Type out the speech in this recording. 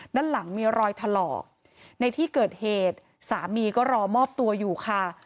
ด้านหลังมีรอยถลอกในที่เกิดเหตุสามีก็รอมอบตัวอยู่ค่ะ